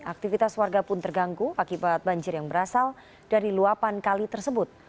aktivitas warga pun terganggu akibat banjir yang berasal dari luapan kali tersebut